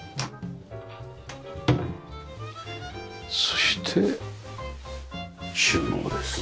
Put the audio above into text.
そして収納です。